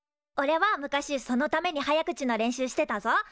おれは昔そのために早口の練習してたぞ。